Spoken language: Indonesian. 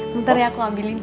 bentar ya aku ambilin